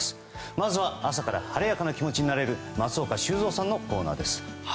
まずは朝から晴れやかな気持ちになれる松岡修造さんのコーナーです。